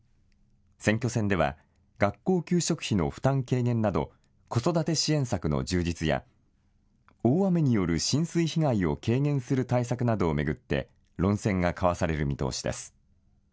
選挙戦では学校給食費の負担軽減など子育て支援策の充実や大雨による浸水被害を軽減する対策などを巡って論戦が交わされる見通しです。